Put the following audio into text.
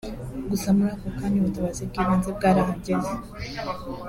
Gusa muri ako kanya ubutabazi bw’ibanze bwarahageze